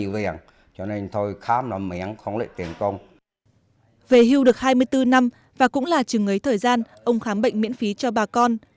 về hưu được hai mươi bốn năm và cũng là chừng ấy thời gian ông khám bệnh miễn phí cho bà con